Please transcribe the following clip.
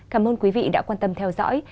cảm ơn quý vị đã quan tâm theo dõi